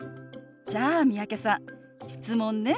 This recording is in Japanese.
じゃあ三宅さん質問ね。